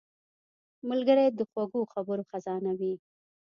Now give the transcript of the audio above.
ملګری د خوږو خبرو خزانه وي